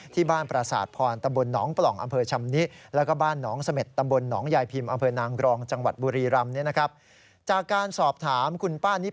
ที่บ้านปราศาสตร์พรตำบลน้องปล่องอำเภอชำนิ